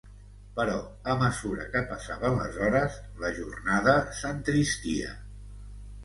Però a mesura que passaven les hores, la jornada s’entristia.